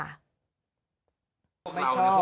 ไม่ชอบ